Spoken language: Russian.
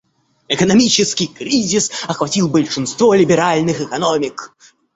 Экономический кризис охватил большинство либеральных экономик.